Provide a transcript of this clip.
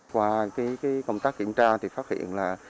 qua công tác kiểm tra phát hiện là